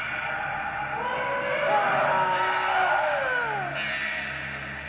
ああ！